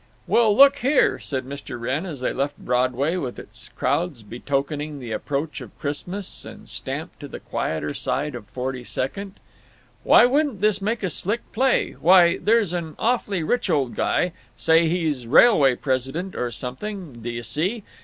"Well, look here," said Mr. Wrenn, as they left Broadway, with its crowds betokening the approach of Christmas, and stamped to the quieter side of Forty second, "why wouldn't this make a slick play: say there's an awfully rich old guy; say he's a railway president or something, d' you see?